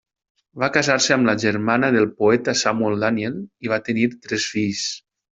Va casar-se amb la germana del poeta Samuel Daniel i va tenir tres fills.